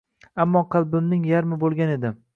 Ammo qalbimning yarmi boʻlgan edi.